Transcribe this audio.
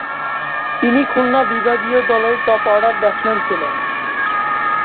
তিনি খুলনা বিভাগীয় দলের টপ-অর্ডার ব্যাটসম্যান ছিলেন।